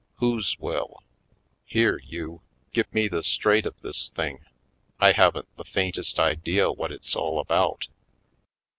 Whose will? Here, you, give me the straight of this thing! I haven't the faintest idea what it's all about."